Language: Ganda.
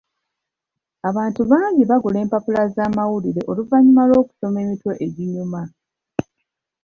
Abantu bangi bagula empapula z'amawulire oluvannyuma lw'okusoma emitwe eginyuma.